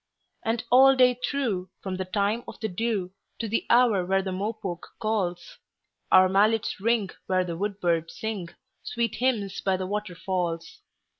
And all day through, from the time of the dewTo the hour when the mopoke calls, Our mallets ring where the woodbirds singSweet hymns by the waterfalls.